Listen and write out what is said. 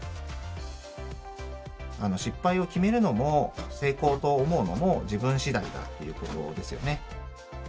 失敗を決めるのも成功と思うのも自分次第だということですよね。